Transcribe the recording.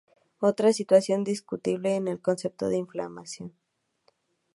Otra situación discutible es el concepto de "inflación".